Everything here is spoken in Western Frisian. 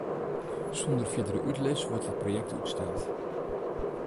Sûnder fierdere útlis wurdt it projekt útsteld.